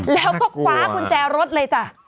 แล้วก็คว้ากุญแจรถเลยจ้ะ